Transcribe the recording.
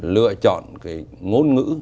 lựa chọn ngôn ngữ